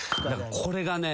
これがね